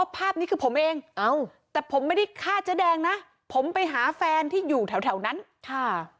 ภาพนี้คือผมเองแต่ผมไม่ได้ฆ่าเจ๊แดงนะผมไปหาแฟนที่อยู่แถวนั้นค่ะ